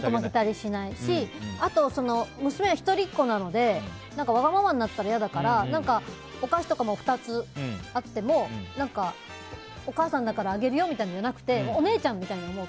しないし、娘は一人っ子なのでわがままになったらいやだから何かお菓子とかも２つあってもお母さんだからあげるよみたいじゃなくてお姉ちゃんみたいに思う。